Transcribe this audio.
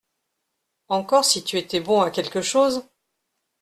Encore si tu étais bon à quelque chose !…